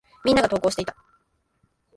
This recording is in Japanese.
皆が登校していた。